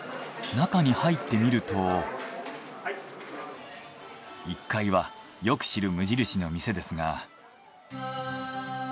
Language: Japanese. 中に入ってみると１階はよく知る無印の店ですが。